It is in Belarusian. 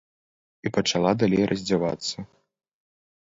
І пачала далей раздзявацца.